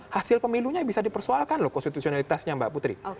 hasil pemilunya bisa dipersoalkan loh konstitusionalitasnya mbak putri